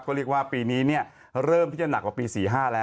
ก็เรียกว่าปีนี้เริ่มที่จะหนักกว่าปี๔๕แล้ว